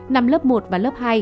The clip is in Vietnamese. năm lớp một và lớp hai